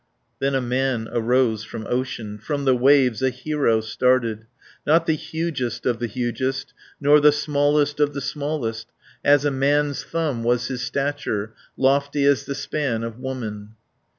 110 Then a man arose from ocean, From the waves a hero started, Not the hugest of the hugest, Nor the smallest of the smallest. As a man's thumb was his stature; Lofty as the span of woman.